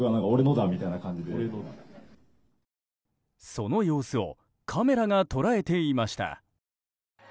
その様子をカメラが捉えていました。